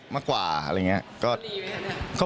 บ้างด้วย